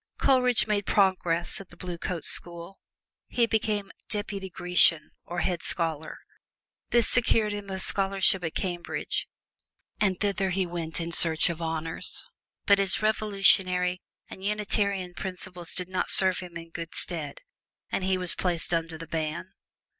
Coleridge made progress at the Blue Coat School: he became "Deputy Grecian," or head scholar. This secured him a scholarship at Cambridge, and thither he went in search of honors. But his revolutionary and Unitarian principles did not serve him in good stead, and he was placed under the ban.